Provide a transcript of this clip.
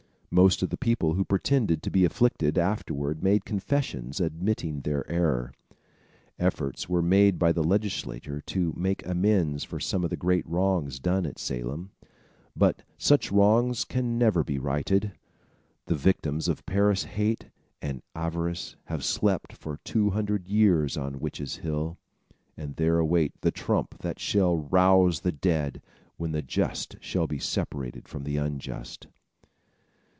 Most of the people who pretended to be afflicted afterward made confessions admitting their error. Efforts were made by the legislature to make amends for some of the great wrongs done at Salem; but such wrongs can never be righted. The victims of Parris' hate and avarice have slept for two hundred years on Witches' Hill, and there await the trump that shall rouse the dead, when the just shall be separated from the unjust.